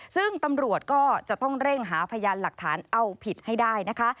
ซึ่งตำรวจก็จะต้องเร่งหาพยานหลักฐานเอาผิดให้ได้นะคะ